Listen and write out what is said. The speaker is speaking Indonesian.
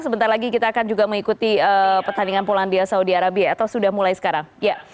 sebentar lagi kita akan juga mengikuti pertandingan pulang di saudi arabia atau sudah mulai sekarang